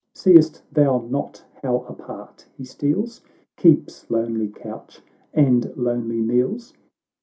Seest thou not how apart he steals, Keeps lonely couch, and lonely meals